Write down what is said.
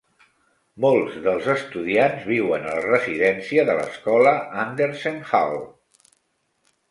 Molts dels estudiants viuen a la residència de l'escola, Andersen Hall.